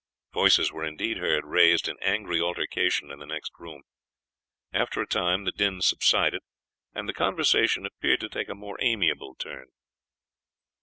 Voices were indeed heard raised in angry altercation in the next room. After a time the din subsided and the conversation appeared to take a more amiable turn.